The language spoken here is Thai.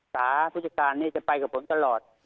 สาผู้จัดการนี่จะไปกับผมตลอด